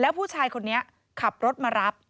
ผู้ชายคนนี้ขับรถมารับ